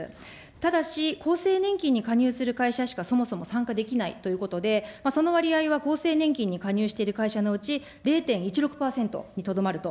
ただし、厚生年金に加入する会社しか、そもそも参加できないということで、その割合は厚生年金に加入している会社のうち、０．１６％にとどまると。